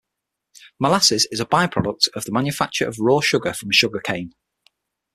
Molasses is a by-product of the manufacture of raw sugar from sugar cane.